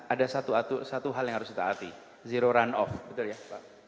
ada satu hal yang harus kita hati zero run off